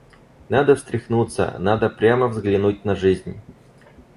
Надо встряхнуться, надо прямо взглянуть на жизнь.